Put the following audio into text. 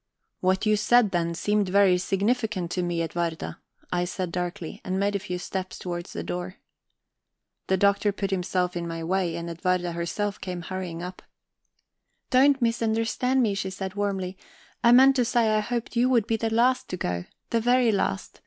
"What you said then seemed very significant to me, Edwarda," I said darkly, and made a few steps towards the door. The Doctor put himself in my way, and Edwarda herself came hurrying up. "Don't misunderstand me," she said warmly. "I meant to say I hoped you would be the last to go, the very last.